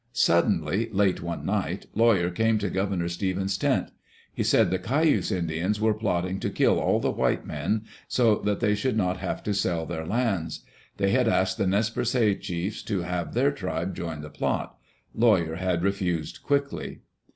Suddenly, late one night, Lawyer came to Governor Stevens's tent. He said the Cayuse Indians were plotting to kill all the white men, so that they should not have to sell their lands. They had asked the Nez Perces chiefs to have their tribe join the plot. Lawyer had refused quickly.